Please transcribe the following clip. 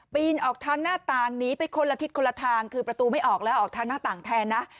ออกทางหน้าต่างหนีไปคนละทิศคนละทางคือประตูไม่ออกแล้วออกทางหน้าต่างแทนนะ